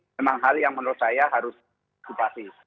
memang hal yang menurut saya harus dipati